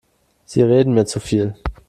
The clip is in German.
Sie reden mir zu viel.